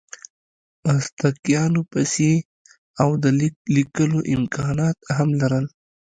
ازتکیانو پیسې او د لیک لیکلو امکانات هم لرل.